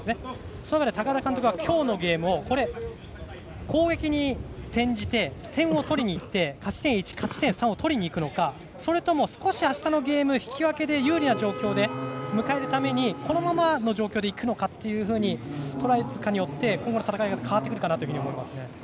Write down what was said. さらに高田監督は今日のゲームを攻撃に転じて点を取りにいって勝ち点１、勝ち点３を取りにいくのかそれとも少しあしたのゲーム引き分けで有利な状況で迎えるためにこのままの状況でいくのかととらえるかによって今後の戦い方変わってくるかなと思いますね。